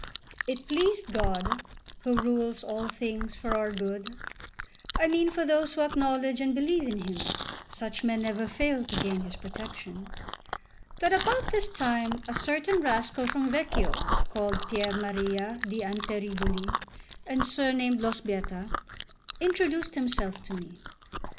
CII IT pleased God, who rules all things for our good I mean, for those who acknowledge and believe in Him; such men never fail to gain His protection that about this time a certain rascal from Vecchio called Piermaria d'Anterigoli, and surnamed Lo Sbietta, introduced himself to me.